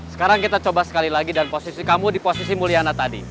sekarang kita coba sekali lagi dan posisi kamu di posisi mulyana tadi